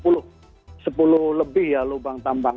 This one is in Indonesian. sepuluh lebih ya lubang tambang